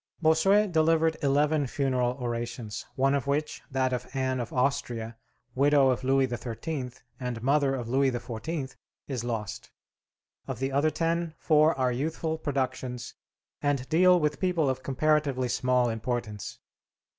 Bossuet delivered eleven funeral orations, one of which that of Anne of Austria, widow of Louis XIII. and mother of Louis XIV, is lost. Of the other ten, four are youthful productions and deal with people of comparatively small importance.